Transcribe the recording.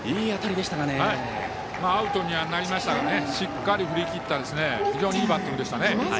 アウトにはなりましたがしっかり振り切った非常にいいバッティングでした。